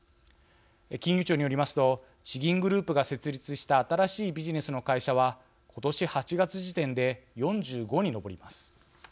金融庁によりますと地銀グループが設立した新しいビジネスの会社は今年８月時点で、４５に上ります。